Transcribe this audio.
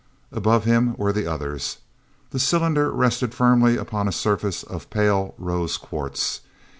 bout him were the others. The cylinder rested firmly upon a surface of pale rose quartz.